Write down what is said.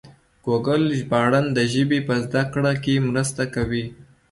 ګوګل ژباړن د ژبې په زده کړه کې مرسته کوي.